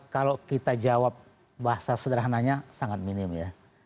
kalau kita jawab bahasa sederhananya sangat minim ya